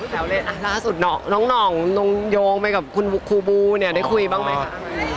แล้วล่าสุดน้องน้องโยงไปกับคุณครูบูได้คุยบ้างไหมคะ